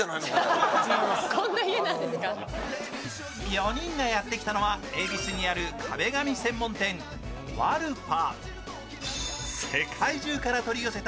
４人がやってきたのは恵比寿にある壁紙専門店ＷＡＬＰＡ。